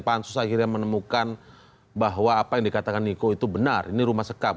pansus akhirnya menemukan bahwa apa yang dikatakan niko itu benar ini rumah sekap